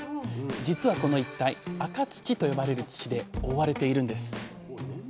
実はこの一帯赤土と呼ばれる土で覆われているんです。